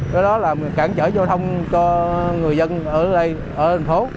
cái đó là cảnh chở giao thông cho người dân ở đây ở thành phố